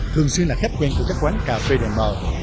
thường xuyên là khách quen của các quán cà phê đèn mờ